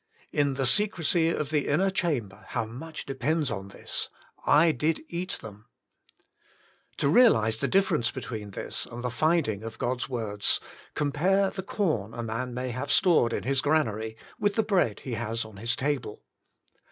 In the secrecy of the inner chamber how much depends on this — I Did Eat them I To realise the difference between this and the finding of God's words, compare the corn a man may have stored in his granary, with the bread he has on his table.